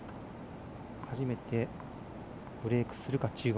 初めてブレークするか、中国。